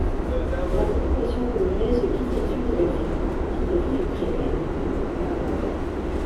La population polonaise quitte ensuite la ville, qui devient ukrainienne.